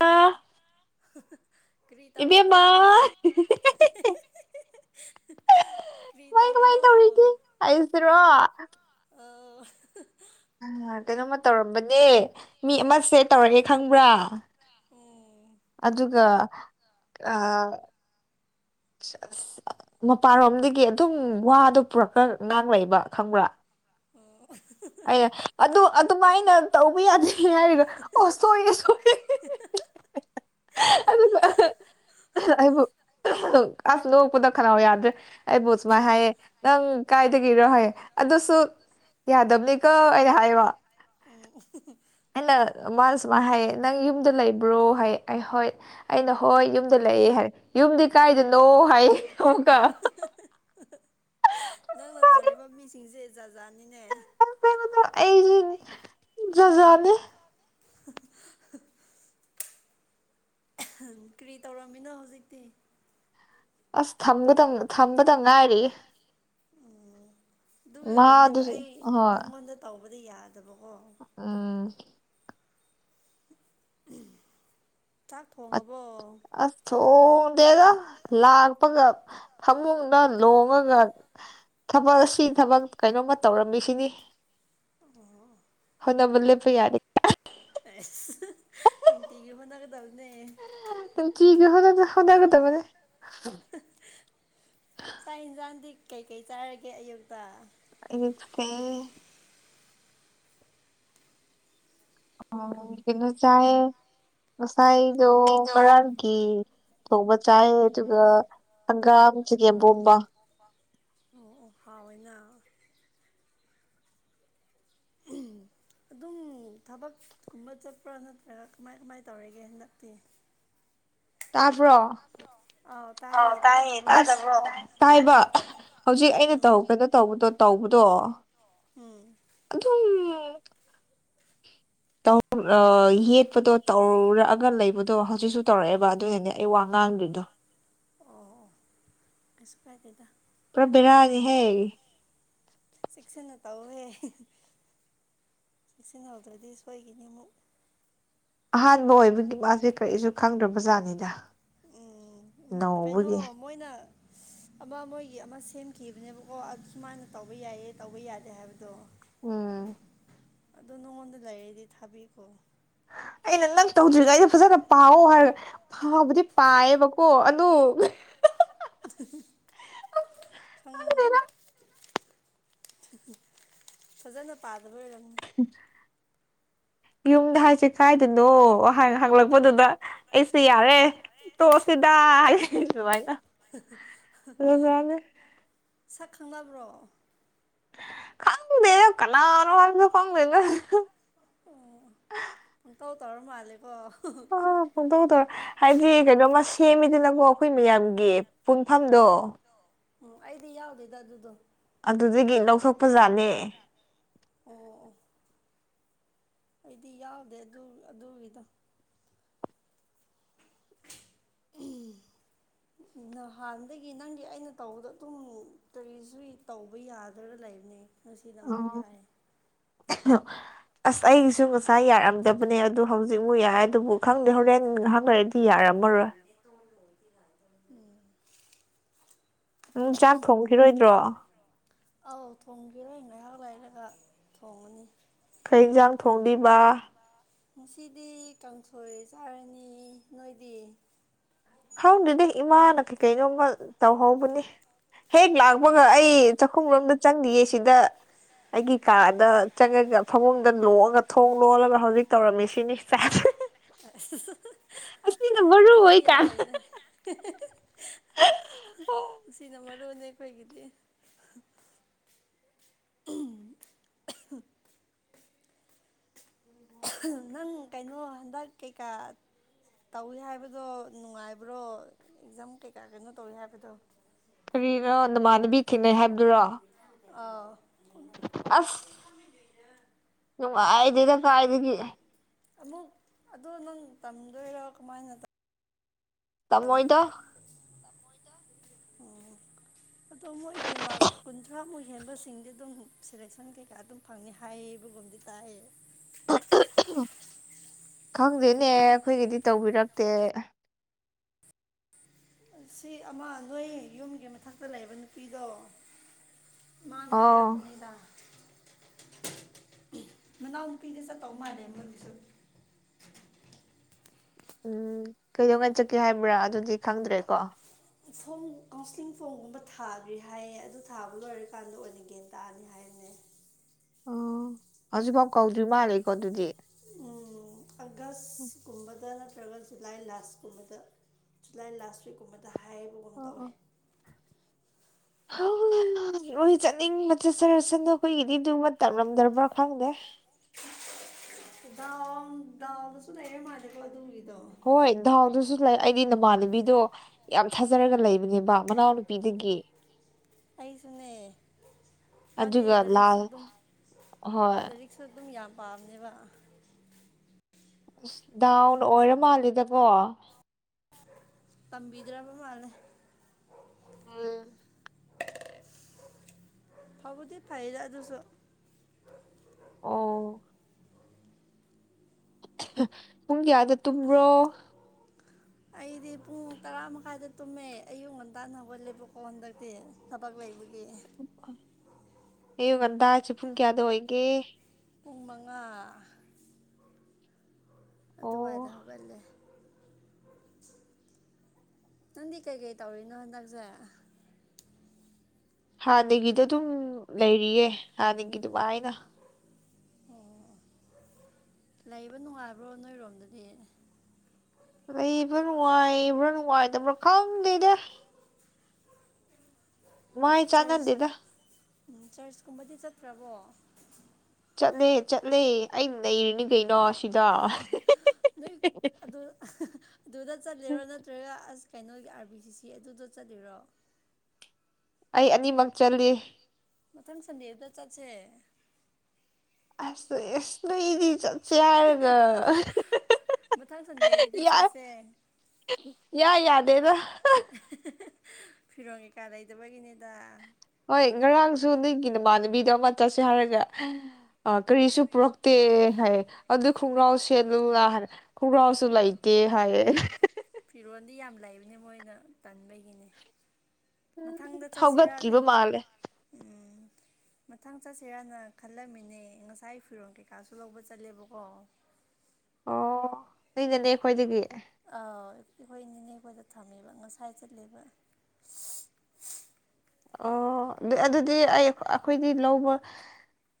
ꯑꯥ ꯀ꯭ꯔꯤ ꯇꯧꯔꯤꯅꯣ ꯑꯩꯁꯤ ꯀꯃꯥꯏ ꯀ꯭ꯔꯤ ꯀꯃꯥꯏ ꯇꯧꯔꯤꯅꯣ ꯇꯧꯔꯤꯒꯦ ꯑꯩꯁꯤꯔꯣ ꯑꯧ ꯑ ꯀꯩꯅꯣꯝꯃ ꯇꯧꯔꯝꯕꯅꯦ ꯃꯤ ꯑꯃꯁꯦ ꯇꯧꯔꯒꯦ ꯈꯪꯕ꯭ꯔꯥ ꯎꯝ ꯑꯗꯨꯒ ꯑꯥ ꯑꯁ ꯑꯁ ꯑ ꯃꯄꯥꯟꯔꯣꯝꯗꯒꯤ ꯑꯗꯨꯝ ꯋꯥꯗꯣ ꯄꯨꯔꯛꯀ ꯉꯥꯡꯂꯩꯕ ꯈꯪꯕ꯭ꯔꯥ ꯑꯣ ꯑꯩ ꯑꯗꯨ ꯑꯗꯨꯃꯥꯏꯅ ꯇꯧꯕ ꯌꯥꯗꯦ ꯍꯥꯏꯔꯒ ꯑꯣ ꯁꯣꯏꯌꯦ ꯁꯣꯏꯌꯦ [unintelligible] ꯑꯩꯕꯨ ꯑꯁ ꯅ‌ꯣꯛꯄꯗ ꯈꯅꯥꯎ ꯌꯥꯗ꯭ꯔ‌ꯦ ꯑꯩꯕꯨ ꯁꯨꯃꯥꯏ ꯍꯥꯏꯌꯦ ꯅꯪ ꯀꯥꯏꯗꯒꯤꯔꯣ ꯍꯥꯏꯌ‌ꯦ ꯑꯗꯨꯁꯨ ꯌꯥꯗꯕ ꯅꯤꯀ‌ꯣ ꯑꯩꯅ ꯍꯥꯏꯕ ꯎꯝ ꯑꯩꯅ ꯃꯥ ꯁꯨꯃꯥꯏꯅ ꯍꯥꯏꯌꯦ ꯅꯪ ꯌꯨꯝꯗ ꯂꯩꯕ꯭ꯔꯣ ꯍꯥꯏꯌ‌ꯦ ꯑꯩꯅ ꯍꯣꯏ ꯑꯩꯅ ꯍꯣꯏ ꯌꯨꯝ ꯌꯨꯝꯗ ꯂꯩꯌ‌ꯦ ꯍꯥꯏꯔꯦ ꯌꯨꯝꯗꯤ ꯀꯥꯏꯗꯅꯣ ꯍꯥꯏꯌꯦ ꯑꯃꯨꯛꯀ ꯅꯪꯅ ꯇꯧꯔꯤꯕ ꯃꯤꯁꯤꯡꯁꯦ ꯖꯥꯠ ꯖꯥꯠꯅꯤꯅꯦ ꯆꯠꯂ‌ꯣꯗ ꯑꯩ ꯖꯥꯠ ꯖꯥꯠꯅ‌ꯦ ꯀ꯭ꯔꯤ ꯇꯧꯔꯝꯃꯤꯅꯣ ꯍꯧꯖꯤꯛꯇꯤ ꯑꯁ ꯊꯒꯗꯝ ꯊꯝꯕꯗ ꯉꯥꯏꯔꯤꯌ‌ꯦ ꯎꯝ ꯑꯗꯨꯒꯤ ꯑꯣꯏꯔꯝꯅꯦꯕ ꯃꯥꯗꯨꯁꯨ ꯑꯩ ꯍꯣꯏ ꯅꯉꯣꯟꯗ ꯇꯧꯕꯗ ꯌꯥꯗꯕꯀꯣ ꯎꯝ ꯆꯥꯛ ꯊꯣꯡꯉꯕꯣ ꯑꯁ ꯊꯣꯡꯗꯦꯗ ꯂꯥꯛꯄꯒ ꯐꯃꯨꯡꯗ ꯂꯣꯡꯉꯒ ꯊꯕꯛ ꯑꯁꯤ ꯊꯕꯛ ꯀꯩꯅꯣꯝꯃ ꯇꯧꯔꯝꯃꯤꯁꯤꯅꯤ ꯑꯣ ꯍ‌ꯣꯠꯅꯕ ꯂ‌ꯦꯞꯄ ꯌꯥꯗ‌ꯦ ꯍꯩꯁ ꯅꯨꯡꯇꯤꯒꯤ ꯍ‌ꯣꯠꯅꯒꯗꯕꯅ‌ꯦ ꯅꯨꯡꯇꯤꯒꯤ ꯍ‌ꯣꯠꯅꯒ ꯍ‌ꯣꯠꯅꯒꯗꯕꯅ‌ꯦ ꯆꯥꯛ ꯍꯤꯟꯁꯥꯡꯗꯤ ꯀꯩꯀꯩ ꯆꯥꯔꯒꯦ ꯑꯌꯨꯛꯇ ꯑꯌꯨꯛꯇꯤ ꯑꯣ ꯀꯩꯅꯣ ꯆꯥꯏ ꯉꯥꯁꯏꯗꯣ [unintelligible] ꯀꯤ ꯊꯣꯡꯕ ꯆꯥꯏ ꯑꯗꯨꯒ ꯍꯪꯒꯥꯝ ꯆꯒꯦꯝꯄꯣꯝꯕ ꯑꯣ ꯑꯣ ꯍꯥꯎꯑꯦꯅ ꯎꯝ ꯑꯗꯨꯝ ꯊꯕꯛꯀꯨꯝꯕ ꯆꯠꯄ꯭ꯔꯥ ꯅꯠꯇ꯭ꯔꯒ ꯀꯃꯥꯏ ꯀꯃꯥꯏ ꯇꯧꯔꯤꯒꯦ ꯍꯟꯗꯛꯇꯤ ꯇꯥꯕ꯭ꯔꯣ ꯇꯕ꯭ꯔꯣ ꯑꯧ ꯇꯥꯏ ꯑꯣ ꯇꯥꯏꯌꯦ ꯑꯁ ꯇꯥꯗꯕ꯭ꯔꯣ ꯇꯥꯏꯕ ꯍꯧꯖꯤꯛ ꯑꯩꯅ ꯎꯝ ꯇꯧꯒꯗꯣ ꯇꯧꯕꯗꯣ ꯇꯧꯕꯗꯣ ꯎꯝ ꯑꯗꯨꯝ ꯇꯧ ꯔ ꯌꯦꯠꯄꯗꯣ ꯇꯧꯔꯛꯑꯒ ꯂꯩꯕꯗꯣ ꯍꯧꯖꯤꯛꯁꯨ ꯇꯧꯔꯛꯑꯦꯕ ꯑꯗꯨꯏꯅꯅꯦ ꯑꯩ ꯋꯥ ꯉꯥꯡꯗ꯭ꯔꯤꯗꯣ ꯑꯣ ꯑꯣ ꯀꯩꯁꯨ ꯀꯥꯏꯗꯦꯗ ꯄꯨꯔ ꯕꯦꯔꯥ ꯅꯤꯍꯦ ꯆꯦꯛꯁꯤꯟꯅ ꯇꯧꯍꯦ ꯆꯦꯛꯁꯤꯟꯍꯧꯗ꯭ꯔꯗꯤ ꯁꯣꯏꯒꯤꯅꯤꯃꯨꯛ ꯑꯍꯥꯟꯕ ꯑꯣꯏꯕꯒꯤ ꯃꯥꯁꯦ ꯀꯔꯤꯁꯨ ꯈꯪꯗ꯭ꯔꯕ ꯖꯥꯠꯅꯤꯗ ꯎꯞ ꯀꯩꯅꯣ ꯃꯣꯏꯅ ꯑꯃ ꯃꯣꯏꯒꯤ ꯑꯃ ꯁꯦꯝꯈꯤꯕꯅꯦꯕꯀꯣ ꯑꯗꯨꯨꯁꯨꯃꯥꯏꯅ ꯇꯧꯕ ꯌꯥꯏꯌꯦ ꯇꯧꯕ ꯌꯥꯗꯦ ꯍꯥꯏꯕꯗꯣ ꯎꯝ ꯑꯗꯨ ꯅꯉꯣꯟꯗ ꯂꯩꯥꯔꯗꯤ ꯊꯥꯕꯤꯈꯣ ꯑꯩꯅ ꯅꯪ ꯇꯧꯗ꯭ꯔꯤꯉꯩꯗ ꯐꯖꯅ ꯄꯥꯑꯣ ꯍꯥꯏꯔꯒ ꯈ ꯈꯥ ꯕꯨꯗꯤ ꯄꯥꯏꯌꯦꯕꯀꯣ ꯑꯗꯨ ꯈꯪ ꯐꯖꯅ ꯄꯥꯗꯕꯩ ꯑꯣꯏꯔꯝꯅꯤ ꯑ ꯌꯨꯝꯗ ꯍꯥꯏꯁꯦ ꯀꯥꯏꯗꯅꯣꯍ ꯍꯥꯏ ꯍꯥꯡꯂꯛꯄꯗꯨꯗ ꯑꯩꯁꯦ ꯌꯥꯔꯦ ꯇꯣꯑꯥ ꯁꯤꯗ ꯍ [unintelligible] ꯍꯥꯏꯗꯨ [unintelligible] ꯁꯛ ꯈꯪꯅꯕ꯭ꯔꯣ ꯈꯪꯗꯦꯗ ꯀꯅꯅꯣ ꯍꯥꯏꯕꯗꯣ ꯈꯪꯗꯦꯗ ꯑꯣ ꯄꯨꯟ ꯇꯧ ꯇꯔ ꯃꯜꯂꯦꯀꯣ ꯑ ꯐꯣꯡꯗꯧ ꯇꯧꯔ ꯍꯥꯏꯗꯤ ꯀꯩꯅꯣꯃ ꯁꯦꯝꯃꯤꯗꯅꯀꯣ ꯑꯩꯈꯣꯏ ꯃꯌꯥꯝꯒꯤ ꯄꯨꯟꯐꯝꯗꯣ ꯎꯝ ꯑꯩꯗꯤ ꯌꯥꯎꯗꯦꯗ ꯑꯗꯨꯗꯣ ꯑꯗꯨꯗꯒꯤ ꯂꯧꯊꯣꯛꯄꯖꯥꯠꯅꯦ ꯑꯣ ꯑꯣ ꯗꯤ ꯌꯥꯎꯗꯦ ꯑꯗꯨ ꯑꯗꯨꯒꯤꯗꯣ ꯎ ꯅꯍꯥꯟꯗꯒꯤ ꯅꯪꯗꯤ ꯑꯩꯅ ꯇꯧꯕꯗꯣ ꯑꯗꯨꯝ ꯀꯔꯤꯁꯨ ꯇꯧꯕ ꯌꯥꯗ꯭ꯒ ꯂꯩꯕꯅꯦ ꯃꯁꯤꯗ ꯑꯃꯨꯛ ꯑꯣ ꯌꯥꯏ ꯑꯁ ꯑꯩꯒꯤꯁꯨ ꯉꯁꯥꯏ ꯌꯥꯔꯝꯗꯕꯅꯦ ꯑꯗꯨ ꯍꯧꯖꯤꯛꯃꯨꯛ ꯌꯥꯔꯦ ꯑꯗꯨꯕꯨ ꯈꯪꯗꯦ ꯍꯣꯔꯦꯟ ꯉꯍꯥꯛ ꯔꯩꯗꯤ ꯌꯥꯔꯝꯃꯔꯣꯏ [unintelligible] ꯎꯝ ꯎꯝ ꯆꯥꯛ ꯊꯣꯡꯈꯤꯔꯣꯏꯗ꯭ꯔꯣ [unintelligible] ꯑꯧ ꯊꯣꯡꯒꯤꯔꯣꯏ ꯉꯥꯏꯍꯥꯛ ꯂꯩꯔꯒ ꯊꯣꯡꯉꯅꯤ ꯀꯩ ꯏꯟꯖꯥꯡ ꯊꯣꯡꯗꯨꯏꯕ ꯉꯁꯤꯗꯤ ꯀꯥꯡꯁꯣꯏ ꯆꯥꯔꯅꯤ ꯅꯣꯏꯗꯤ ꯈꯪꯗꯦꯗ ꯏꯃꯥꯅ ꯀꯩ ꯀꯩꯅꯣꯝꯃ ꯇꯧꯍꯧꯕꯅꯤ ꯍꯦꯛ ꯂꯥꯛꯄꯒ ꯑꯩ ꯆꯥꯛꯈꯨꯝꯔꯣꯝꯗ ꯆꯪꯗꯤꯌꯦ ꯁꯤꯗ ꯑꯩꯒꯤ ꯀꯥꯗ ꯆꯪꯉꯒ ꯐꯃꯨꯡꯗ ꯂꯣꯡꯑꯒ ꯊꯣꯡ ꯂꯣꯜꯂꯒ ꯍꯧꯖꯤꯛ ꯇꯧꯔꯝꯃꯤꯁꯤꯅꯤ ꯆꯥꯁꯤ ꯃꯔꯨ ꯊꯕꯛ ꯌꯥꯝ ꯑꯣꯏꯀꯥꯟ ꯐꯩꯅꯦ ꯁꯤꯅ ꯃꯔꯨꯅꯦ ꯈꯣꯏꯒꯤꯗꯤ ꯅꯪ ꯀꯩꯅꯣ ꯍꯟꯗꯛ ꯀꯩꯀꯥ ꯇꯧꯏ ꯍꯥꯏꯕꯗꯣ ꯅꯨꯡꯉꯥꯏꯕ꯭ꯔꯣ ꯑꯦꯛꯖꯝ ꯀꯩꯀꯥ ꯀꯩꯅꯣ ꯇꯧꯏ ꯍꯥꯏꯕꯗꯣ ꯀꯔꯤꯒ ꯅꯃꯥꯟꯅꯕꯤ ꯈꯤꯅꯩ ꯍꯥꯏꯕꯗꯨꯔꯣ ꯑꯥ ꯑꯁ ꯅꯨꯡꯉꯥꯏꯗꯦꯗ ꯀꯥꯏꯗꯒꯤ ꯑꯃꯨꯛ ꯑꯗꯣ ꯅꯪ ꯇꯝꯗꯣꯏꯔ ꯀꯃꯥꯏꯅ ꯇꯧ ꯇꯝꯃꯣꯏꯗ ꯑꯥ ꯇꯝꯃꯣꯏꯗ ꯎꯝ ꯑꯗꯣ ꯃꯣꯏꯒꯤ ꯃꯥꯔꯛ ꯀꯨꯟꯊ꯭ꯔꯥ ꯃꯨꯛ ꯍꯦꯟꯕꯁꯤꯡꯗꯤ ꯑꯗꯨꯝ ꯁꯦꯂꯦꯛꯁꯟ ꯀꯩꯀꯥ ꯑꯗꯨꯝ ꯐꯪꯅꯤ ꯍꯥꯏꯌꯦ ꯑꯗꯨꯒꯨꯝꯗꯤ ꯇꯥꯏꯌꯦ ꯈꯪꯗꯦꯅꯦ ꯑꯩꯈꯣꯏꯒꯤꯗꯤ ꯇꯧꯕꯤꯔꯛꯇꯦ ꯁꯤ ꯑꯃ ꯅꯣꯏ ꯌꯨꯝꯒꯤ ꯃꯊꯛꯇ ꯂꯩꯕ ꯅꯨꯄꯤꯗꯣ ꯃꯥꯅ ꯑꯧ ꯍꯥꯏꯔꯛꯄꯅꯤꯗꯥ ꯃꯅꯥꯎꯅꯨꯄꯤꯒ ꯆꯠꯇꯧ ꯃꯥꯜꯂꯦ ꯃꯣꯏꯒꯤꯁꯨ ꯎꯝ ꯀꯩꯗꯧꯉꯩ ꯆꯠꯀꯦ ꯍꯥꯏꯕ꯭ꯔꯥ ꯑꯗꯨꯗꯤ ꯈꯪꯗ꯭ꯔꯦꯀꯣ ꯐꯣꯝ ꯀꯥꯎꯟꯁꯤꯂꯤꯡ ꯐꯣꯝꯒꯨꯝꯕ ꯊꯥꯗꯔ꯭ꯤ ꯍꯥꯏꯌꯦ ꯑꯗꯨ ꯊꯥꯕ ꯂꯣꯏꯔꯀꯥꯟꯗ ꯑꯣꯏꯅ ꯒꯌ꯭ꯟ ꯇꯥꯅꯤ ꯍꯥꯏꯕꯅꯦ ꯑꯣ ꯍꯧꯖꯤꯛꯐꯥꯎ ꯀꯧꯗ꯭ꯔꯤ ꯃꯥꯜꯂꯦꯀꯣ ꯗꯨꯗꯤ ꯎꯝ ꯑꯒꯁ ꯀꯨꯝꯕꯗ ꯅꯠꯇꯔ꯭ꯒ ꯖꯨꯂꯥꯏ ꯂꯥꯁ ꯀꯨꯝꯕꯗ ꯖꯨꯂꯥꯏ ꯂꯥꯁ ꯋꯤꯛ ꯀꯨꯝꯕꯗ ꯍꯥꯏꯕꯒꯨꯝ ꯑꯣ ꯇꯧꯋꯦ [unintelligible] ꯅꯣꯏ ꯆꯠꯅꯤꯡꯕ ꯆꯠꯆꯔꯁꯅꯣ ꯑꯩꯈꯣꯏꯒꯤꯗꯤ ꯑꯗꯨꯃꯠꯇ ꯉꯝꯗ꯭ꯔꯕ꯭ꯔ ꯈꯪꯗꯦ ꯗꯥꯎꯟ ꯗꯥꯎꯗꯁꯨ ꯂꯩꯔ ꯃꯥꯜꯂꯦꯀꯣ ꯑꯗꯨꯒꯤꯗꯣ ꯍꯣꯏ ꯗꯥꯎꯗꯁꯨ ꯂꯩ ꯑꯩꯗꯤ ꯅꯃꯥꯟꯅꯕꯤꯗꯣ ꯌꯥꯝ ꯊꯥꯖꯔꯒ ꯂꯩꯕꯅꯦꯕ ꯃꯅꯥꯎꯅꯨꯄꯤꯗꯒꯤ ꯑꯩꯁꯨꯅꯦ ꯃꯥꯗꯤ ꯑꯗꯨꯒ ꯂꯥꯜ ꯍꯣꯏ ꯁꯨ ꯗꯨꯝ ꯌꯥꯝ ꯄꯥꯕꯅꯦꯕ ꯑꯁ ꯗꯥꯎꯅ ꯑꯣꯏꯔ ꯃꯥꯜꯂꯤꯗꯀꯣ ꯄꯝꯕꯤꯗ꯭ꯔꯕ ꯃꯥꯜꯂꯦ ꯇꯥꯏꯌꯦ ꯐꯕꯨꯗꯤ ꯐꯩꯗ ꯑꯗꯨꯁꯨ ꯑꯣ ꯄꯨꯡ ꯀꯌꯥꯗ ꯇꯨꯝꯕ꯭ꯔꯣ ꯑꯩꯗꯤ ꯄꯨꯡ ꯇꯔꯥ ꯃꯈꯥꯏꯗ ꯇꯨꯝꯃꯦ ꯑꯌꯨꯛ ꯉꯟꯇꯥꯅ ꯍꯧꯒꯠꯂꯦꯕꯀꯣ ꯍꯟꯗꯛ ꯇꯤ ꯊꯕꯛ ꯂꯩꯕꯒꯤ ꯑꯌꯨꯛ ꯉꯟꯇꯥ ꯍꯥꯏꯁꯦ ꯄꯨꯡ ꯀꯌꯥꯗ ꯑꯣꯏꯒꯦ ꯄꯨꯡ ꯃꯉꯥ ꯑꯣ ꯑꯗꯨꯋꯥꯏꯗ ꯍꯧꯒꯠꯂꯦ ꯅꯪꯗꯤ ꯀꯩꯀꯩ ꯇꯧꯔꯤꯅꯣ ꯍꯟꯗꯛꯁꯦ ꯍꯥꯟꯅꯒꯤꯗꯣ ꯗꯨꯝ ꯂꯩꯔꯤꯌꯦ ꯍꯥꯟꯅꯒꯤ ꯗꯨꯃꯥꯏꯅ ꯑꯣ ꯂꯩꯕ ꯅꯨꯡꯉꯥꯏꯕ꯭ꯔꯣ ꯅꯣꯏꯔꯣꯝꯗꯗꯤ ꯂꯩꯕ ꯅꯨꯡꯉꯥꯏꯕ꯭ꯔꯥ ꯅꯨꯡꯉꯥꯏꯇꯕ꯭ꯔꯥ ꯈꯪꯗꯦꯗ ꯃꯥꯏ ꯆꯔꯆ ꯆꯥꯅꯗꯦꯗ ꯎꯝ ꯆ꯭ꯔꯁꯀꯨꯝꯕꯗꯤ ꯆꯠꯇ꯭ꯔꯕꯣ ꯆꯠꯂꯦ ꯆꯠꯂꯦ ꯑꯩ ꯅꯩꯔꯤꯅꯤ ꯀꯩꯅꯣ ꯁꯤ ꯅꯣꯏ ꯑꯗꯨ ꯑꯗꯨꯗ ꯆꯠꯂꯤꯔꯣ ꯅꯥ ꯇ꯭ꯔꯒ ꯑꯁ ꯀꯩꯅꯣꯒꯤ ꯑꯥꯔ ꯕꯤ ꯁꯤ ꯁꯤ ꯑꯗꯨꯗꯣ ꯆꯠꯂꯤꯔꯣ ꯑꯩ ꯑꯅꯤꯃꯛ ꯆꯜꯂꯤ ꯃꯊꯪ ꯁꯟꯗꯦꯗ ꯆꯠꯁꯦ ꯑꯁ ꯑꯦꯁ ꯂꯩꯗꯤ ꯆꯠ ꯁꯦ ꯍꯥꯏꯔꯒ ꯑꯥ ꯃꯊꯪ ꯁꯟꯗꯦꯗꯗꯤ ꯌꯥꯏ ꯆꯠꯁꯦ ꯌꯥ ꯌꯥꯗꯦꯗ ꯍ ꯐꯤꯔꯣꯟ ꯀꯩꯀꯥ ꯂꯩꯇꯕꯒꯤꯅꯤꯗ ꯍꯣꯏ ꯉꯔꯥꯡꯖꯨ ꯅꯣꯏꯒꯤ ꯅꯃꯥꯟꯅꯕꯤꯗꯣ ꯑꯃ ꯆꯠꯁꯦ ꯍꯥꯏꯔꯒ ꯑ ꯀꯔꯤꯁꯨ ꯄꯨꯔꯛꯇꯦ ꯍꯥꯏ ꯑꯗꯨ ꯈꯣꯡꯒ꯭ꯔꯥꯎ ꯁꯦꯂꯨ ꯂꯥꯎ ꯍꯥꯏꯔꯦ ꯈꯣꯡꯒ꯭ꯔꯥꯎꯁꯨ ꯂꯩꯇꯦ ꯍꯥꯏꯌꯦ ꯐꯤꯔꯣꯜꯗꯤ ꯌꯥꯝ ꯂꯩꯕꯅꯦ ꯃꯣꯏꯅ ꯇꯟꯕꯒꯤꯅꯦ ꯃꯊꯪꯗ ꯆꯠꯁꯤꯔ ꯍꯧꯒꯠꯇ꯭ꯔꯤꯕ ꯃꯥꯜꯂꯦ [unintelligible] ꯎꯝ ꯃꯊꯪ ꯆꯠꯁꯤꯔꯅ ꯈꯜꯂꯝꯃꯤꯅꯦ ꯉꯁꯥꯏ ꯐꯤꯔꯣꯟ ꯀꯩꯀꯥꯁꯨ ꯂꯧꯕ ꯆꯠꯂꯦꯕꯀꯣ ꯑꯣ ꯑꯩꯅꯅꯦ ꯑꯈꯣꯏꯗꯒꯤ ꯑꯥ ꯑꯩꯈꯣꯏ ꯅꯤꯅꯦꯈꯣꯏꯗ ꯊꯝꯃꯦꯕ ꯉꯁꯥꯏ ꯆꯠꯂꯦꯕ ꯑꯣ ꯑꯗ ꯑꯗꯨꯗꯤ ꯑꯩ ꯑꯩꯈꯣꯏꯗꯤ ꯂꯧꯕ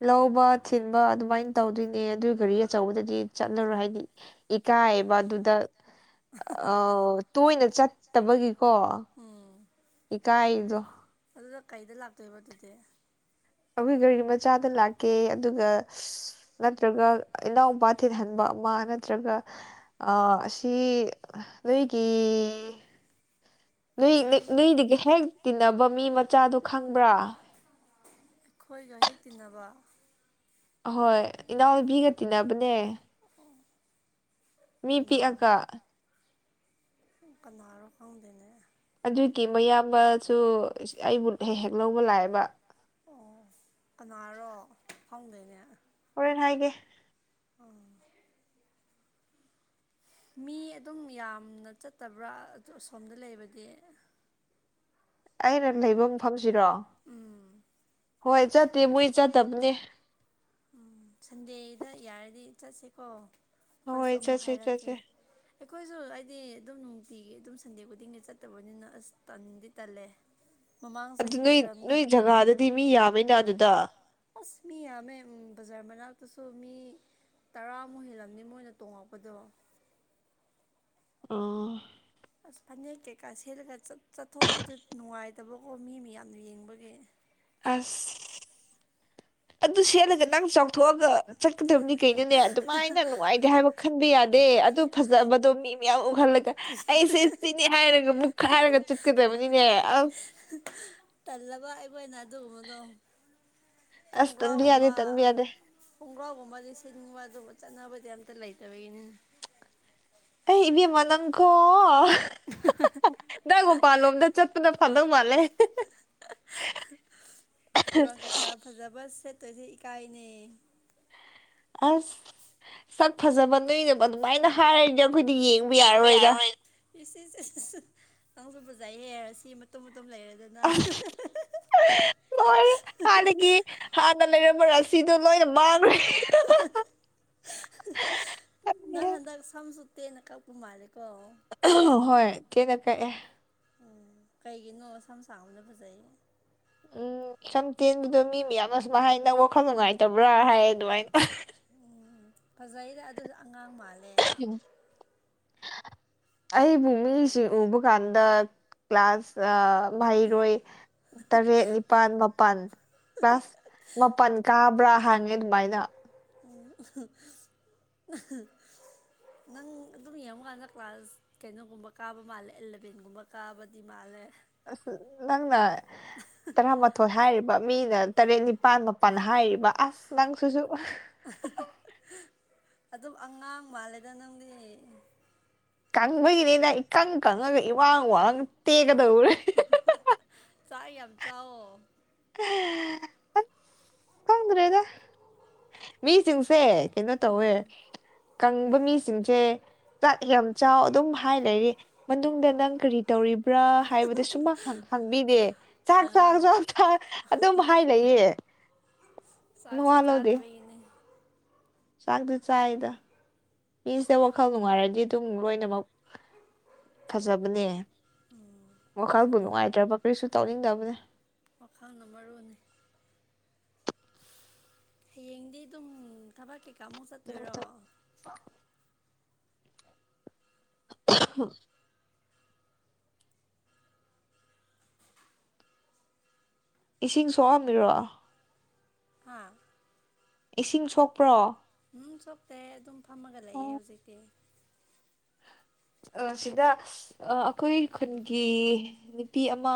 ꯂꯧꯕ ꯊꯤꯟꯕ ꯑꯗꯨꯃꯥꯏꯅ ꯇꯧꯗꯣꯏꯅꯦ ꯑꯗꯨ ꯒꯥꯔꯤ ꯑꯆꯧꯕꯗꯗꯤ ꯆꯠꯂꯔꯣꯏ ꯍꯥꯏꯗꯤ ꯏꯀꯥꯏꯕ ꯑꯗꯨꯗ ꯑꯥ ꯇꯣꯏꯅ ꯆꯠꯇꯕꯒꯤꯀꯣ ꯎꯝ ꯏꯀꯥꯏꯗꯣ ꯑꯗꯨꯗ ꯀꯩꯗ ꯂꯥꯛꯇꯣꯏꯕ ꯑꯗꯨꯗꯤ ꯑꯈꯣꯏ ꯒꯥꯔꯤ ꯃꯆꯥꯗ ꯂꯥꯛꯀꯦ ꯑꯗꯨꯒ ꯅꯠꯇ꯭ꯔꯒ ꯏꯅꯥꯎꯄꯥ ꯊꯤꯟꯍꯟꯕ ꯑꯃ ꯅꯠꯇ꯭ꯔꯒ ꯑꯥ ꯑꯁꯤ ꯅꯣꯏꯒꯤ ꯅꯣꯏ ꯒꯥꯔꯤ ꯅꯣꯏꯗꯒꯤ ꯍꯦꯛ ꯇꯤꯟꯅꯕ ꯃꯤ ꯃꯆꯥꯗꯣ ꯈꯪꯕ꯭ꯔꯥ ꯑꯩꯈꯣꯏꯒ ꯍꯦꯛ ꯇꯤꯟꯅꯕ ꯑꯍꯣꯏ ꯏꯅꯥꯎꯅꯨꯕꯤꯒ ꯇꯤꯟꯅꯕꯅꯦ ꯃꯤ ꯀꯅꯥ ꯄꯤꯛꯑꯒ ꯀꯅꯥꯔꯣ ꯈꯪꯗꯦꯅꯦ ꯑꯗꯨꯒꯤ ꯃꯌꯥꯝꯕꯖꯨ ꯑꯁ ꯑꯩꯕꯨ ꯍꯦꯛ ꯍꯦꯛ ꯂꯧꯕ ꯂꯥꯛꯑꯦꯕ ꯑꯣ ꯀꯅꯥꯔꯣ ꯈꯪꯗꯦꯅꯦ ꯍꯣꯔꯦꯟ ꯍꯥꯏꯒꯦ ꯑꯥ ꯃꯤ ꯑꯗꯨꯝ ꯌꯥꯝꯅ ꯆꯠꯇꯕ꯭ꯔꯥ ꯑꯥ ꯑꯁꯣꯝꯗ ꯂꯩꯕꯗꯤ ꯑꯩꯅ ꯂꯩꯕ ꯃꯐꯝꯁꯤꯔꯣ ꯎꯝ ꯍꯣꯏ ꯆꯠꯇꯦ ꯃꯣꯏ ꯆꯠꯇꯕꯅꯦ ꯎꯝ ꯁꯟꯗꯦꯗ ꯌꯥꯔꯗꯤ ꯆꯠꯁꯤꯀꯣ ꯑꯈꯣꯏꯁꯨ ꯍꯣꯏ ꯑꯃꯨꯛ ꯆꯠꯁꯦ ꯍꯥꯏꯔꯛꯀꯦ ꯆꯠꯁꯦ ꯑꯩꯈꯣꯏꯁꯨ ꯍꯥꯏꯗꯤ ꯑꯗꯨꯝ ꯅꯨꯡꯇꯤꯒꯤ ꯑꯗꯨꯝ ꯁꯟꯗꯦ ꯈꯨꯗꯤꯡꯒꯤ ꯆꯠꯇꯕꯅꯤꯅ ꯑꯁ ꯇꯟꯗꯤ ꯇꯜꯂꯦ [inaudible] ꯑꯗꯨ ꯆꯍꯤ ꯅꯣꯏ ꯑꯣꯏꯔꯝꯅꯤ ꯅꯣꯏ ꯖꯒꯥꯗꯨꯗꯤ ꯃꯤ ꯌꯥꯝꯃꯦꯅ ꯑꯗꯨꯗ ꯑꯁ ꯃꯤ ꯌꯥꯝꯃꯦ ꯎꯝ ꯕꯖꯥꯔ ꯃꯅꯥꯛ ꯗꯨꯁꯨ ꯃꯤ ꯇꯔꯥꯃꯨꯛ ꯍꯦꯜꯂꯝꯅꯤ ꯃꯣꯏꯅ ꯇꯣꯡꯉꯛꯄꯗꯣ ꯑꯣ ꯑꯁ ꯐꯅꯦꯛ ꯀꯩꯀꯥ ꯁꯦꯠꯂꯒ ꯆꯠ ꯆꯠꯊꯣꯛꯄꯗꯨ ꯅꯨꯡꯉꯥꯏꯇꯕꯀꯣ ꯃꯤ ꯃꯌꯥꯝꯅ ꯌꯦꯡꯕꯒꯤ ꯑꯁ [inaudible] ꯑꯗꯨ ꯁꯦꯠꯂꯒ ꯅꯪ ꯆꯥꯎꯊꯣꯛꯑꯒ ꯆꯠꯀꯗꯝꯅꯤ ꯀꯩꯅꯣꯅꯦ ꯑꯗꯨꯃꯥꯏꯅ ꯅꯨꯡꯉꯥꯏꯇꯦ ꯍꯥꯏꯕ ꯈꯟꯕ ꯌꯥꯗꯦ ꯑꯗꯨ ꯐꯖꯕꯗꯣ ꯃꯤ ꯃꯌꯥꯝ ꯎꯍꯜꯂꯒ ꯑꯩꯁꯦ ꯁꯤꯅꯦ ꯍꯥꯏꯔꯒ ꯃꯨꯛꯈꯥꯏꯔꯒ ꯆꯠꯀꯗꯕꯅꯤꯅꯦ ꯑꯁ ꯍꯥ ꯇꯜꯂꯕ ꯑꯒꯣꯏꯅ ꯑꯗꯨꯒꯨꯝꯕꯗꯣ ꯑꯁ ꯇꯟꯕ ꯌꯥꯗꯦ ꯈꯣꯡꯒ꯭ꯔꯥꯎꯒꯨꯝꯕ ꯇꯟꯕ ꯌꯥꯗꯦ ꯈꯣꯡꯒ꯭ꯔꯥꯎꯒꯨꯝꯕꯗꯤ ꯁꯦꯠꯅꯤꯡꯕ ꯑꯗꯨꯨꯕꯨ ꯆꯠꯅꯕꯗꯤ ꯑꯝꯇ ꯂꯩꯇꯕꯩꯅꯤ ꯑꯩ ꯏꯕꯦꯃ ꯅꯪꯀꯣ [unintelligible] ꯅꯪ ꯃꯄꯥꯜꯂꯣꯝꯗ ꯆꯠꯄꯅ ꯐꯗꯧ ꯃꯥꯝꯂꯦ ꯍꯦ ꯍꯦ ꯐꯤꯔꯣꯟꯜ ꯀꯩꯀꯥ ꯐꯖꯕ ꯁꯦꯠꯇꯣꯏꯁꯦ ꯏꯀꯥꯏꯅꯦ ꯑꯁ ꯁꯛ ꯐꯖꯕ ꯅꯣꯏꯅꯕ ꯑꯗꯨꯃꯥꯏꯅ ꯍꯥꯏꯔꯗꯤ ꯑꯈꯣꯏꯗꯤ ꯌꯦꯡꯕ ꯌꯥꯔꯔꯣꯏꯗ ꯏꯁ ꯏꯁ ꯅꯪꯁꯨ ꯐꯖꯩ ꯍꯦ ꯔꯁꯤ ꯃꯇꯨꯝ ꯃꯇꯨꯝ ꯂꯩꯔꯗꯅ ꯍꯥ ꯍꯥ ꯍꯥ ꯁꯣꯏꯔꯦ ꯍꯥꯟꯅꯒꯤ ꯍꯥꯥꯟꯅ ꯂꯩꯔꯝꯕ ꯔꯁꯤꯗꯣ ꯂꯣꯏ ꯃꯥꯡꯒ꯭ꯔꯦ ꯅꯪ ꯍꯥꯟꯗꯥꯛ ꯁꯥꯝꯁꯨꯇꯦꯟꯅ ꯀꯥꯛꯄ ꯃꯥꯜꯂꯦꯀꯣ ꯍꯣꯏ ꯀꯦꯀ ꯀꯥꯛꯑꯦ ꯎꯝ ꯀꯩꯒꯤꯅꯣ ꯁꯝ ꯁꯥꯥꯡꯕꯅ ꯐꯖꯩ ꯎꯝ ꯁꯝ ꯇꯦꯟꯕꯗꯣ ꯃꯤ ꯃꯌꯥꯝꯁꯨꯃꯥꯏ ꯍꯥꯏ ꯅꯪ ꯋꯥꯈꯜ ꯅꯨꯡꯉꯥꯏꯇꯕ꯭ꯔꯥ ꯍꯥꯏꯌꯦ ꯑꯗꯨꯃꯥꯏꯟ ꯎꯝ ꯐꯖꯩꯗ ꯑꯗꯨꯖꯨ ꯑꯉꯥꯡ ꯃꯥꯜꯂꯦ ꯑꯩꯕꯨ ꯃꯤꯖꯤꯡ ꯎꯕ ꯀꯥꯟꯗ ꯀ꯭ꯂꯥꯁ ꯑꯥ ꯃꯍꯩꯔꯣꯏ ꯇꯔꯦꯠ ꯅꯤꯄꯥꯜ ꯃꯥꯄꯜ ꯀ꯭ꯂꯥꯁ ꯃꯥꯄꯜ ꯀꯥꯕ꯭ꯔꯥ ꯍꯥꯡꯉꯦ ꯑꯗꯨꯃꯥꯏꯅ [unintelligible] ꯅꯪ ꯑꯗꯨꯝ ꯌꯦꯡꯕꯀꯥꯟꯗ ꯀ꯭ꯂꯥꯁ ꯀꯩꯅꯣꯒꯨꯝꯕ ꯀꯥꯕ ꯃꯥꯜꯂꯦ ꯑꯦꯂꯚꯦꯟꯒꯨꯝꯕ ꯀꯥꯕꯗꯤ ꯃꯥꯜꯂꯦ ꯑꯁ ꯅꯪꯅ ꯇꯔꯥꯃꯊꯣꯏ ꯍꯥꯏꯔꯤꯕ ꯃꯤꯅ ꯇꯔꯦꯠ ꯅꯤꯄꯥꯟ ꯃꯥꯄꯟ ꯍꯥꯏꯔꯤꯕ ꯑꯁ ꯅꯪꯁꯤꯁꯨ ꯑꯗꯨꯝ ꯑꯉꯥꯡ ꯃꯥꯜꯂꯦꯗ ꯅꯪꯗꯤ ꯀꯪꯕꯩꯅꯤꯗ ꯏꯀꯪ ꯀꯪꯉꯒ ꯏꯋꯥꯡ ꯋꯥꯡ ꯇꯦꯛꯀꯗꯧꯔꯦ ꯆꯥꯛ ꯌꯥꯝ ꯆꯥꯎꯋꯣ ꯑꯁ ꯈꯪꯗꯔꯦꯗ ꯃꯤꯁꯤꯡꯁꯦ ꯀꯩꯅꯣ ꯇꯧꯋꯦ ꯀꯪꯕ ꯃꯤꯁꯤꯡꯁꯦ ꯆꯛ ꯌꯥꯝ ꯆꯥꯎ ꯑꯗꯨꯝ ꯍꯥꯏ ꯂꯩꯔꯦ ꯃꯅꯨꯡꯗ ꯅꯪ ꯀꯔꯤ ꯇꯧꯔꯤꯕ꯭ꯔꯥ ꯍꯥꯏꯕꯗꯤ ꯁꯨꯝꯃꯥꯡ ꯍꯪꯕꯤꯗꯦ ꯆꯥꯛ ꯑꯥ ꯆꯥꯛ ꯆꯥꯛ ꯆꯥꯛ ꯑꯗꯨꯝ ꯍꯥꯏꯂꯩꯌꯦ ꯆꯥꯛꯁꯨ ꯆꯥꯗꯕꯩꯒꯤꯅꯦ ꯆꯥꯛꯇꯤ ꯆꯥꯏꯗ ꯃꯤꯁꯦ ꯋꯥꯈꯜ ꯅꯨꯡꯉꯥꯏꯔꯗꯤ ꯑꯗꯨꯝ ꯂꯣꯏꯅꯃꯛ ꯐꯖꯕꯅꯦ ꯋꯥꯈꯜꯕꯨ ꯑꯗꯨꯅ ꯅꯨꯡꯉꯥꯏꯇ꯭ꯔꯕ ꯀꯔꯤꯁꯨ ꯇꯧꯅꯤꯡꯗꯕꯅꯦ ꯋꯥꯈꯜꯅ ꯃꯔꯨꯅꯤ ꯍꯥꯌꯦꯡꯗꯤ ꯑꯗꯨꯝ ꯊꯕꯛ ꯀꯩꯀꯥ ꯑꯃꯨꯛ ꯆꯠꯇꯣꯏꯔꯣ [unintelligible] ꯏꯁꯤꯡ ꯁꯣꯛꯑꯝꯃꯤꯔꯣ ꯍꯥꯥ ꯏꯁꯤꯡ ꯁꯣꯛꯄ꯭ꯔꯣ ꯎꯝ ꯁꯣꯛꯇꯦ ꯑꯗꯨꯝ ꯐꯝꯃꯒ ꯂꯩꯌꯦ ꯑꯣ, ꯍꯧꯖꯤꯛꯇꯤ ꯑ ꯁꯤꯗ ꯑ‌ ꯑꯈꯣꯏ ꯈꯨꯟꯒꯤ ꯅꯨꯄꯤ ꯑꯃ